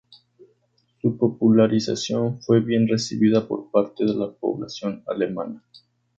Su popularización fue bien recibida por parte de la población alemana.